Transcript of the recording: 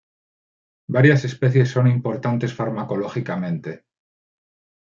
Varias especies son importantes farmacológicamente.